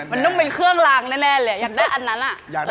มันต้องเป็นเครื่องลางแน่เลยอยากได้อันนั้น